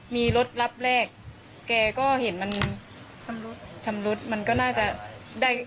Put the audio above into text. มีรถรับแรกแกก็เห็นมันชำรุดชำรุดมันก็น่าจะได้